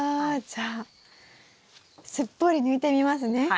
じゃあすっぽり抜いてみますね。